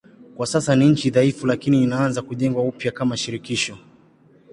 Kwa sasa ni nchi dhaifu lakini inaanza kujengwa upya kama shirikisho.